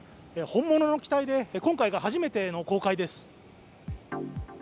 本物の機体で、今回が初めての公開です。